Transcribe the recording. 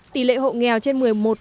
tỷ lệ hộ nghèo trên một mươi một